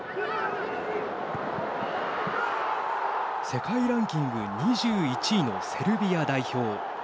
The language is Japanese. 世界ランキング２１位のセルビア代表。